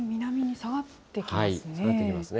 下がってきますね。